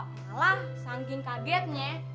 malah sangking kagetnya